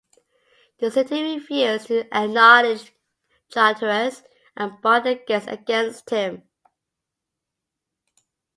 The city refused to acknowledge Charteris and barred the gates against him.